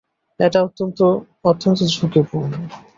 এটা অত্যন্ত, অত্যন্ত ঝুঁকিপূর্ণ।